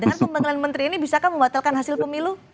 dengan pembagian menteri ini bisakah membatalkan hasil pemilu